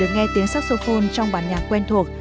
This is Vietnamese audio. được nghe tiếng saxophone trong bản nhạc quen thuộc